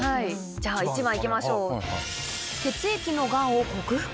じゃあ１番いきましょう。